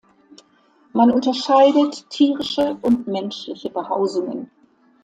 Man unterscheidet tierische und menschliche Behausungen.